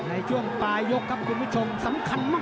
ในช่วงปลายยกครับคุณผู้ชมสำคัญมาก